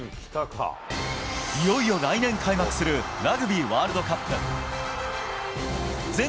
いよいよ来年開幕するラグビーワールドカップ。